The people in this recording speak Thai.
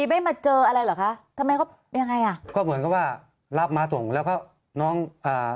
ไม่มาเจออะไรเหรอคะทำไมเขายังไงอ่ะก็เหมือนกับว่ารับมาส่งแล้วก็น้องอ่า